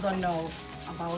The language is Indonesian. ada yang tahu